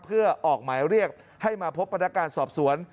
เพื่อออกหมายเรียกให้มาพบพนักงานสอบสวน